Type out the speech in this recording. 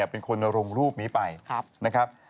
เป็นคนลงรูปนี้ไปนะครับ